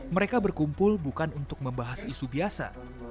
mereka berkumpul bukan untuk membahas isu biasa